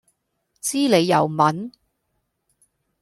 知你又問?